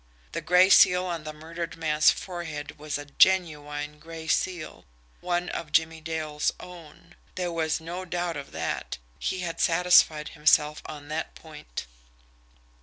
The gray seal on the murdered man's forehead was a GENUINE GRAY SEAL one of Jimmie Dale's own. There was no doubt of that he had satisfied himself on that point.